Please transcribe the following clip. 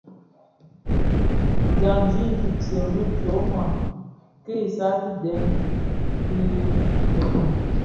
Dyandi itsem bi tyoma ti isaï ki dèň dhi ibëňi.